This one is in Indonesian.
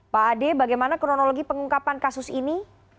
pak ade bagaimana kronologi pengungkapan kasus ini